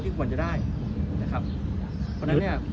ถึงสารจะมีคำปรักษาแล้วก็ยังคุยได้อยู่